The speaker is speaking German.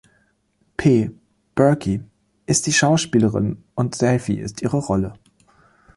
P. Burke ist die Schauspielerin und Delphi ist ihre Rolle.